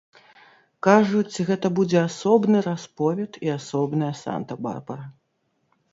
Кажуць, гэта будзе асобны расповед і асобная санта-барбара!